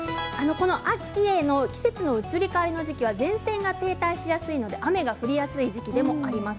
秋の季節の移り変わりの時期は前線が停滞しやすいので雨が降りやすい時期でもあります。